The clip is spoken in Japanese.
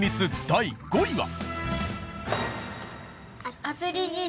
第５位は？